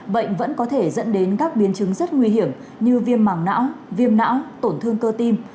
bệnh vẫn có thể dẫn đến các biến chứng rất nguy hiểm như viêm mảng não viêm não tổn thương cơ tim